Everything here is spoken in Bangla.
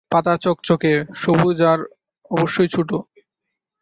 পাতা চকচকে, সবুজ আর অবশ্যই ছোট।